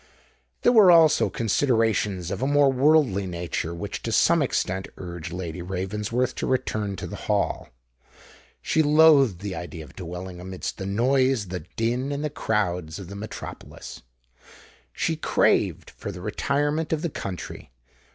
There were also considerations of a more worldly nature which to some extent urged Lady Ravensworth to return to the Hall. She loathed the idea of dwelling amidst the noise, the din, and the crowds of the metropolis: she craved for the retirement of the country.